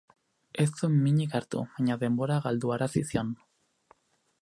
Ez zuen minik hartu, baina denbora galdu arazi zion.